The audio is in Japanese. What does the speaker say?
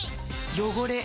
汚れ。